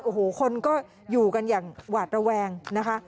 โอ้โหคนก็อยู่กันอย่างหวาดระแวงนะคะ